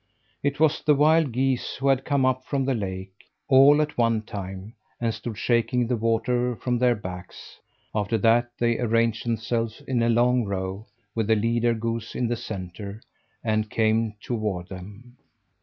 It was the wild geese who had come up from the lake all at one time and stood shaking the water from their backs. After that they arranged themselves in a long row with the leader goose in the centre and came toward them.